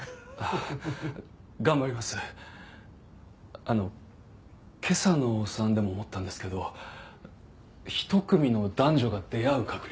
あの今朝のお産でも思ったんですけど一組の男女が出会う確率